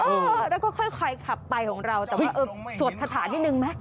เออแล้วก็ค่อยขับไปของเราแต่ว่าเออสวดคาถานิดนึงไหม